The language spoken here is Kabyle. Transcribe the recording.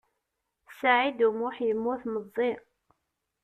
Saɛid U Muḥ yemmut meẓẓi.